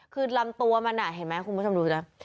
คือลำตัวมันเห็นไหมคุณผู้ชมดูสิ